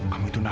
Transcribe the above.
kamu itu nara